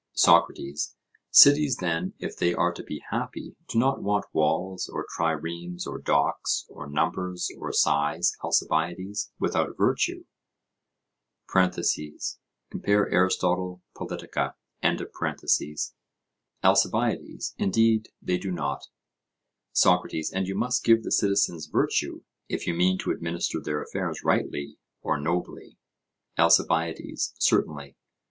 SOCRATES: Cities, then, if they are to be happy, do not want walls, or triremes, or docks, or numbers, or size, Alcibiades, without virtue? (Compare Arist. Pol.) ALCIBIADES: Indeed they do not. SOCRATES: And you must give the citizens virtue, if you mean to administer their affairs rightly or nobly? ALCIBIADES: Certainly.